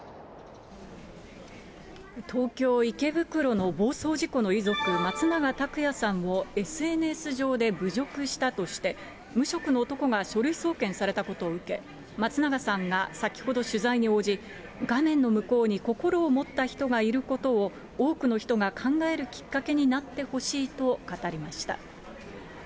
東京・池袋の暴走事故の遺族、松永たくやさんをＳＮＳ上で侮辱したとして、無職の男が書類送検されたことを受け、松永さんが先ほど取材に応じ、画面の向こうに心を持った人がいることを、多くの人が考えるきっかけになってほしいと語りました。